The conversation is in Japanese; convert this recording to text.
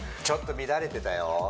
ちょっと乱れてたよ